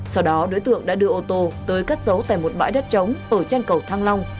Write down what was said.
sau đó đối tượng đã đưa ô tô tới cắt giấu tại một bãi đất trống ở trên cầu thăng long